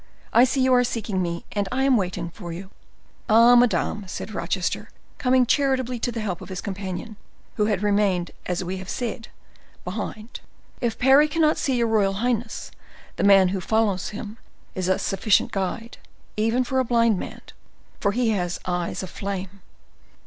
I see you are seeking me, and I am waiting for you." "Ah, madam," said Rochester, coming charitably to the help of his companion, who had remained, as we have said, behind, "if Parry cannot see your royal highness, the man who follows him is a sufficient guide, even for a blind man; for he has eyes of flame.